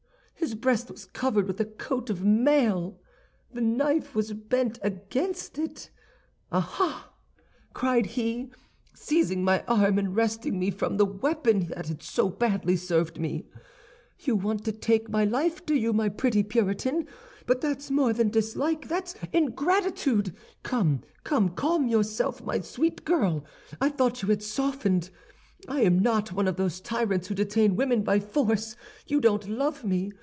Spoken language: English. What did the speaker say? His breast was covered with a coat of mail; the knife was bent against it. "'Ah, ah!' cried he, seizing my arm, and wresting from me the weapon that had so badly served me, 'you want to take my life, do you, my pretty Puritan? But that's more than dislike, that's ingratitude! Come, come, calm yourself, my sweet girl! I thought you had softened. I am not one of those tyrants who detain women by force. You don't love me.